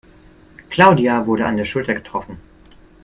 Claudia wurde an der Schulter getroffen.